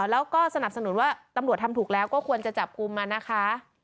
แล้วก็สนับสนุนว่าตำรวจทำถูกแล้วก็ควรจะจับกลุ่มมานะคะ